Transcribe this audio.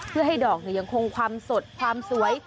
เพื่อให้ดอกยังคงความสดความสวย